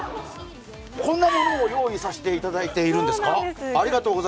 こんなものを用意させていただいているんですか。